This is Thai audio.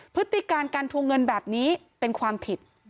พฤติการการทวงเงินแบบนี้เป็นความผิด